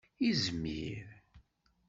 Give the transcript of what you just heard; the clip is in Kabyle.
Izmir.